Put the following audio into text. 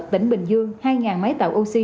tỉnh bình dương hai máy tạo oxy